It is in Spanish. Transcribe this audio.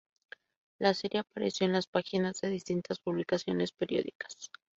La serie apareció en las páginas de distintas publicaciones periódicas.